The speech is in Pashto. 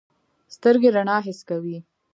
سترګې رڼا حس کوي.